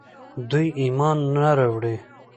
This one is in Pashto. دوی ايمان نه راوړي